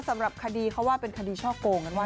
สำหรับคดีเขาว่าเป็นคดีช่อโกงกันว่า